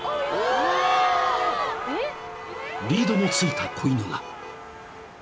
［リードのついた子犬が］